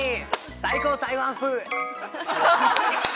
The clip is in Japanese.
最高台湾風！